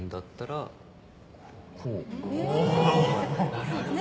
なるほどね。